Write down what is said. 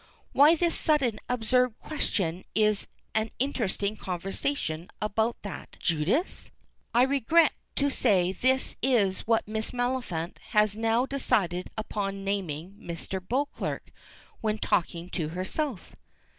Why this sudden absurd question in an interesting conversation about that "Judas"? I regret to say this is what Miss Maliphant has now decided upon naming Mr. Beauclerk when talking to herself.